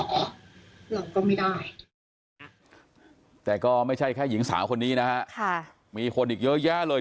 เรื่องก็ไม่ได้แต่ก็ไม่ใช่แค่หญิงสาวคนนี้นะฮะมีคนอีกเยอะแยะเลย